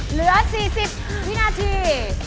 เหลือ๔๐วินาที